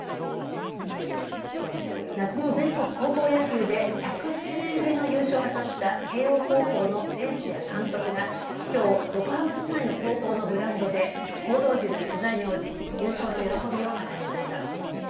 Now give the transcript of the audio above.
夏の全国高校野球で１０７年ぶりの優勝を果たした慶応高校の選手や監督がきょう、横浜市内の高校のグラウンドで報道陣の取材に応じ優勝の喜びを語りました。